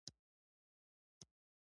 او ترسره کوي یې.